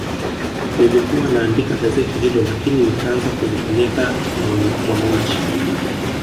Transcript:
Nilikuwa naandikia gazeti hilo lakini nikaanza kuzipeleka na Mwananchi